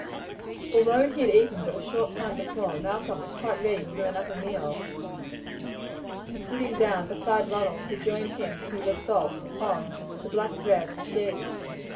Although he had eaten but a short time before, Malcolm was quite ready for another meal, and sitting down beside Ronald he joined him in his assault upon the black bread and cheese.